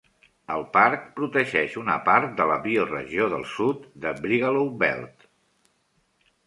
El parc protegeix una part de la biorregió del sud de Brigalow Belt.